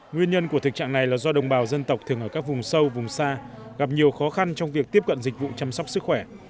nguyên nhân của thực trạng này là do đồng bào dân tộc thường ở các vùng sâu vùng xa gặp nhiều khó khăn trong việc tiếp cận dịch vụ chăm sóc sức khỏe